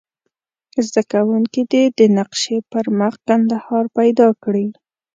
زده کوونکي دې د نقشې پر مخ کندهار پیدا کړي.